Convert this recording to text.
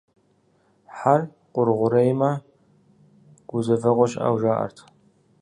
Хьэр къугъуреймэ, гузэвэгъуэ щыӏэу жаӏэрт.